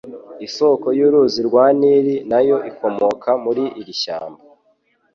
Isoko y'uruzi rwa Nili na yo ikomoka muri iri shyamba.